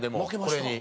これに。